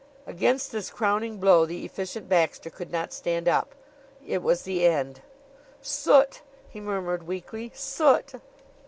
Against this crowning blow the Efficient Baxter could not stand up. It was the end. "Soot!" he murmured weakly. "Soot!"